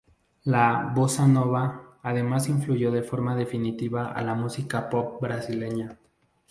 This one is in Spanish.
La "bossa nova", además, influyó de forma definitiva a la música pop brasileña.